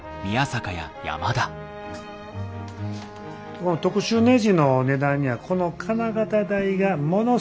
この特殊ねじの値段にはこの金型代がものすご影響する。